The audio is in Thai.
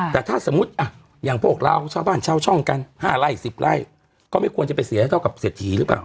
แต่ถ้าสมมุติอย่างพวกเราชาวบ้านชาวช่องกัน๕ไร่๑๐ไร่ก็ไม่ควรจะไปเสียเท่ากับเศรษฐีหรือเปล่า